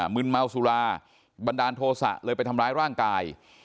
มึนเมาสุราบันดาลโทษะเลยไปทำร้ายร่างกาย